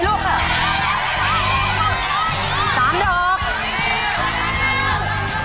แล้ว